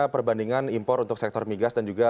perbandingan impor untuk sektor migas dan juga